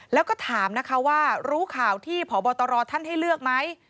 แล้วก็ถามนะคะว่ารู้ข่าวที่พบตรท่านให้เลือกไหม